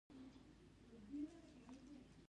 کبير : هو پلاره زموږ د کلي صمدو دى.